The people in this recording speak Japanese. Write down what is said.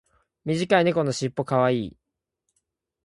短い猫のしっぽ可愛い。